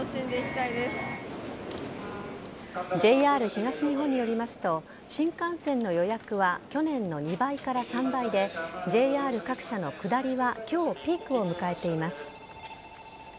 ＪＲ東日本によりますと新幹線の予約は去年の２倍から３倍でＪＲ各社の下りは今日ピークを迎えています。